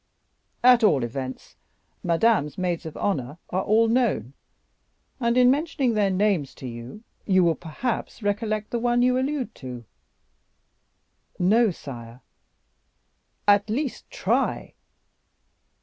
"At all events, Madame's maids of honor are all known, and in mentioning their names to you, you will perhaps recollect the one you allude to." "No, sire." "At least, try."